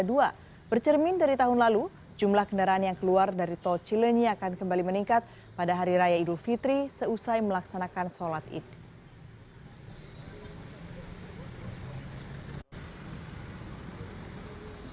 bercermin dari tahun lalu jumlah kendaraan yang keluar dari tol cilenyi akan kembali meningkat pada hari raya idul fitri seusai melaksanakan sholat id